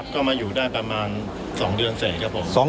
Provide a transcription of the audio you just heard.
ก็มาอยู่ได้ประมาณ๒เดือนเสร็จครับผม